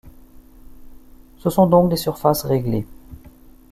Ce sont donc des surfaces réglées.